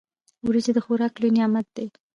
وريجي د خوراک لوی نعمت دی.